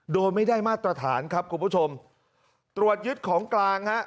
โดยไม่ได้มาตรฐานครับคุณผู้ชมตรวจยึดของกลางฮะ